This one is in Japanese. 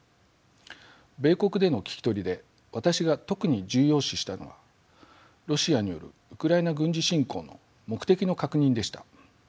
米国での聞き取りで私が特に重要視したのはロシアによるウクライナ軍事侵攻の目的の確認でした。